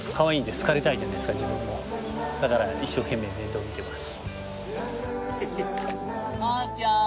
だから一生懸命面倒を見てます。